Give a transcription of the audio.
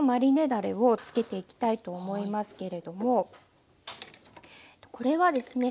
だれを漬けていきたいと思いますけれどもこれはですね